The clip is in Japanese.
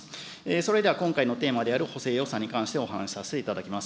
それでは今回のテーマである補正予算案について、お話させていただきます。